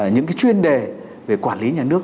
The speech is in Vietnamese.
những chuyên đề về quản lý nhà nước